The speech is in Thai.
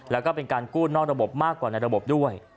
แล้วก็เป็นการกู้นอกระบบมากกว่าในระบบด้วย